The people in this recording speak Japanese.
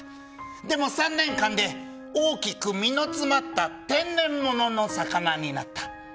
でも、３年間で大きく身の詰まった天然物の魚になった。